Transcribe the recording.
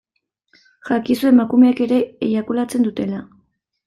Jakizu emakumeek ere eiakulatzen dutela.